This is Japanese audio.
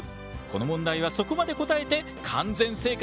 この問題はそこまで答えて完全正解なのだ！